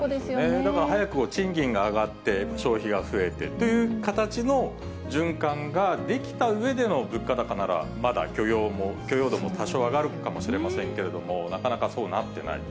だから早く賃金が上がって、消費が増えてという形の循環が出来たうえでの物価高なら、まだ許容度も多少、上がるかもしれませんけれども、なかなかそうはなってない。